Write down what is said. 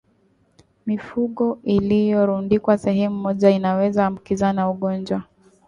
Mifugo iliyorundikwa sehemu moja inaweza ambukizana ugonjwa